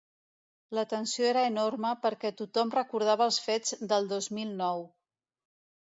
La tensió era enorme perquè tothom recordava els fets del dos mil nou.